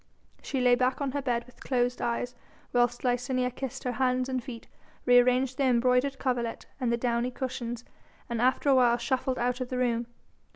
She lay back on her bed with closed eyes whilst Licinia kissed her hands and feet, re arranged the embroidered coverlet and the downy cushions, and after a while shuffled out of the room.